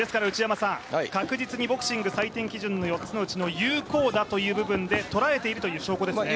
確実にボクシング採点基準４つのうちの有効打という部分で捉えているという証拠ですね。